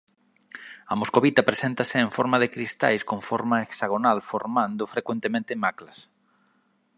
A moscovita preséntase en forma de cristais con forma hexagonal formando frecuentemente maclas.